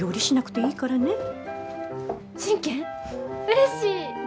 うれしい。